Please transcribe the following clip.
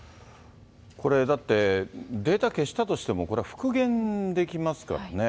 これだって、データ消したとしても、これは復元できますからね。